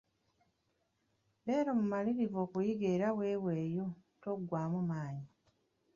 Beera mumalirirvu okuyiga era weweeyo, toggwaamu maanyi.